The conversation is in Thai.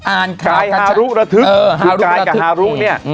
อ่านข่าวกายฮารุระทึกเออฮารุคือกายกับฮารุเนี่ย